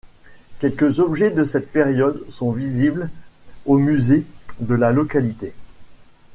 Quelques objets de cette période sont visibles au musée de la localité.